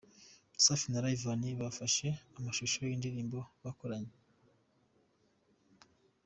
Safi na Rayvanny bafashe amashusho y’indirimbo bakoranye.